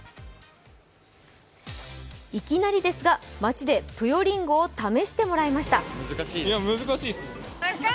いきなりですが街で、ぷよりんごを試してもらいました。